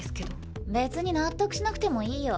別に納得しなくてもいいよ。